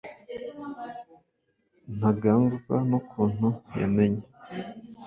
ntangazwa n’ukuntu yamenye,